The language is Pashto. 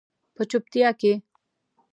په چوپتیا کې